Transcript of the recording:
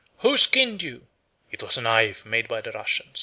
Who skinned you? It was a knife made by a Russian."